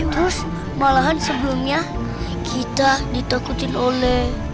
terus malahan sebelumnya kita ditakutin oleh